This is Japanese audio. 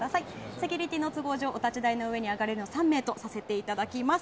セキュリティーの都合上お立ち台の上に上がれるのは３名とさせていただきます。